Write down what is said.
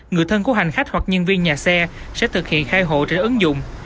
người thân của hành khách hoặc nhân viên nhà xe sẽ thực hiện khai hộ trên ứng dụng